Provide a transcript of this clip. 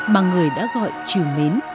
mà người đã gọi triều mến